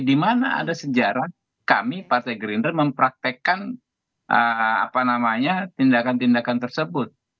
di mana ada sejarah kami partai gerindra mempraktekkan tindakan tindakan tersebut